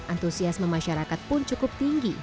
antusiasme masyarakat pun cukup tinggi